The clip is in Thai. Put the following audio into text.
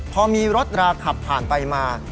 พอมีรถราขับผ่านไปมา